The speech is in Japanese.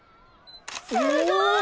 すごい！